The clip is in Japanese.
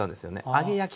揚げ焼き。